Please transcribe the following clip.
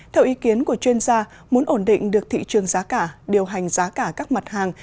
theo ý kiến của chuyên gia muốn ổn định được thị trường giá cả điều hành giá cả các mặt hàng